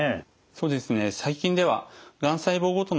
そうですね